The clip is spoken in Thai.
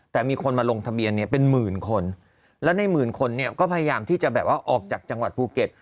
แต่มีคนมาลงทะเบียนเนี่ยเป็นหมื่นคนและในหมื่นคนเนี่ยก็พยายามที่จะแบบว่าออกจากจังหวัดภูเก็ต